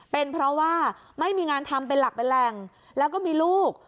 เป็นเพราะว่าไม่มีงานทำเป็นหลักเป็นแหล่งแล้วก็มีลูก